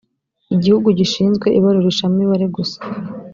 igihugu gishinzwe ibarurisha mibare gusa